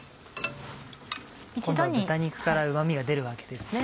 今度は豚肉からうま味が出るわけですね。